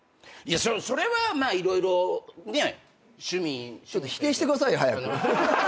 それはまあ色々ね趣味。否定してくださいよ早く。